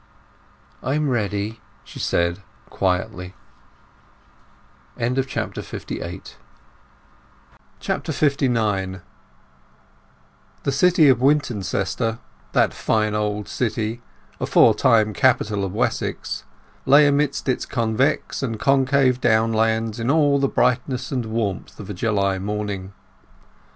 "I am ready," she said quietly. LIX The city of Wintoncester, that fine old city, aforetime capital of Wessex, lay amidst its convex and concave downlands in all the brightness and warmth of a July morning.